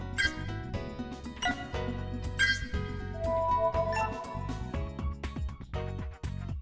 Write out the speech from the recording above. cảnh sát giao thông